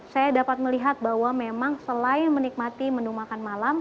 saya dapat melihat bahwa memang selain menikmati menu makan malam